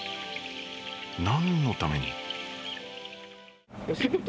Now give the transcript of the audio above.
何のために？